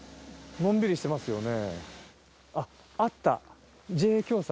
のんびりしてますよね。